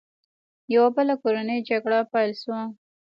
یوه بله کورنۍ جګړه پیل شوه.